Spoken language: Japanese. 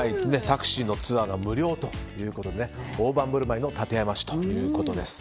タクシーのツアーが無料ということで大盤振る舞いの館山市ということです。